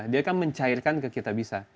dia kan mencairkan ke kitabisa